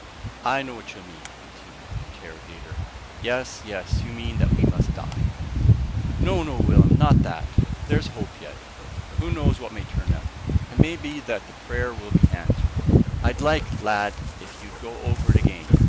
"I know what you mean," continued the interrogator. "Yes, yes, you mean that we must die!" "No, no, Will'm, not that; there's hope yet, who knows what may turn up? It may be that the prayer will be answered. I'd like, lad, if you'd go over it again.